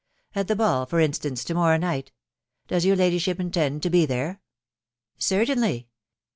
At the ball, for instance, to morrow night ; does your ladyship intend to be there ?"" Certainly.